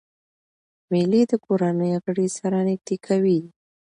مېلې د کورنۍ غړي سره نږدې کوي.